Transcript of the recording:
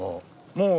もう。